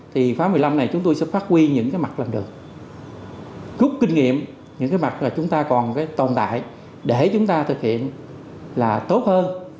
thì phá một mươi năm này chúng tôi sẽ phát huy những mặt làm được rút kinh nghiệm những mặt mà chúng ta còn tồn tại để chúng ta thực hiện là tốt hơn